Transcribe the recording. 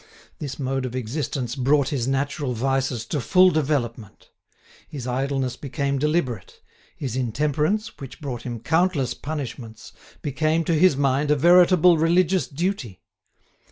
This mode of existence brought his natural vices to full development. His idleness became deliberate; his intemperance, which brought him countless punishments, became, to his mind, a veritable religious duty.